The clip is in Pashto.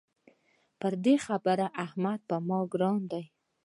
په دې خبره احمد پر ما ګران دی.